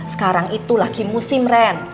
sekarang itu lagi musim ren